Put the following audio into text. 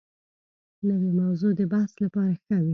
نوې موضوع د بحث لپاره ښه وي